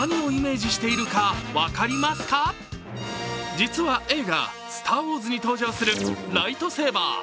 実は映画「スター・ウォーズ」に登場するライトセーバー。